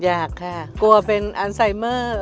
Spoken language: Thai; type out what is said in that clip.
อยากค่ะกลัวเป็นอันไซเมอร์